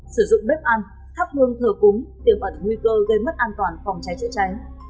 sử dụng bếp ăn thắp hương thờ cúng tiềm ẩn nguy cơ gây mất an toàn phòng cháy chữa cháy